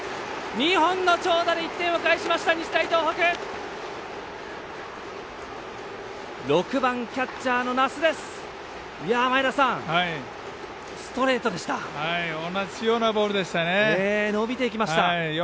２本の長打で１点を返しました日大東北。